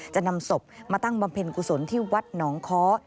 จะนำศพมาตั้งบำเพ็ญกุศลที่วัดหนองค้อ